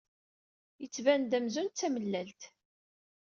Yettban-d amzun d tamellalt.